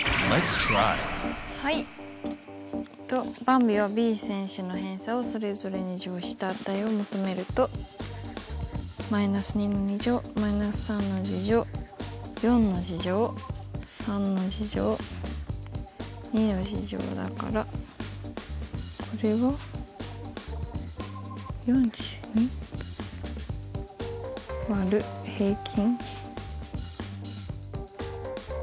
はいえっとばんびはＢ選手の偏差をそれぞれ２乗した値を求めると−２の２乗−３の２乗４の２乗３の２乗２の２乗だからこれは４２÷平均。